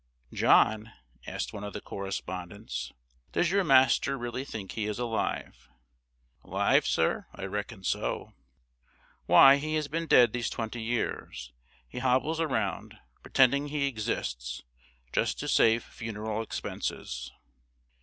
"John," asked one of the correspondents, "does your master really think he is alive?" "'Live, sir? I reckon so." "Why, he has been dead these twenty years. He hobbles around, pretending he exists, just to save funeral expenses."